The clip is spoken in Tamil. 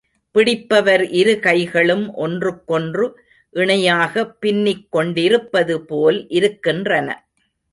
பிடிப்பவர் இரு கைகளும் ஒன்றுக்கொன்று இணையாக பின்னிக் கொண்டிருப்பது போல் இருக்கின்றன.